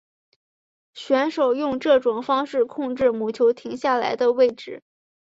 选手用这种方式控制母球停下来的位置。